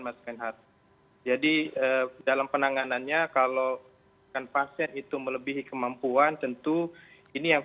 mas reinhardt jadi dalam penanganannya kalau pasien itu melebihi kemampuan tentu ini yang